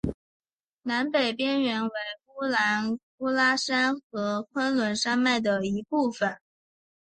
南北边缘为乌兰乌拉山和昆仑山脉的一部分。